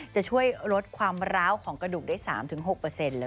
จะช่วยลดความร้าวของกระดูกได้๓๖เลย